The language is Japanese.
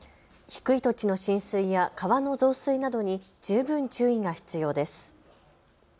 低い土地の浸水や川の増水などに十分注意が必要です。